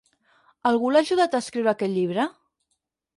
Algú l'ha ajudat a escriure aquest llibre?